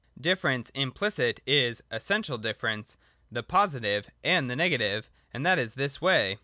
119.J Difference implicit is essential difference, the Positive and the Negative : and that is this way.